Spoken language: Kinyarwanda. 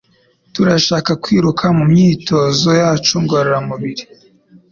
turashaka kwiruka mumyitozo yacu ngororamubiri.